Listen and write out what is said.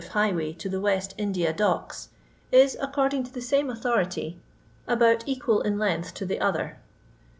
e highway to the West India Docks, is, oceording to the same authority, about eqnol ia length to the other.